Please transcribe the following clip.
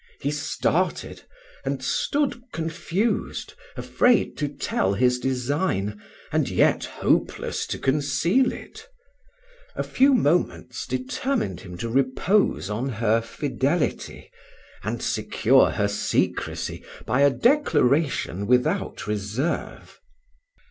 He started, and stood confused, afraid to tell his design, and yet hopeless to conceal it. A few moments determined him to repose on her fidelity, and secure her secrecy by a declaration without reserve.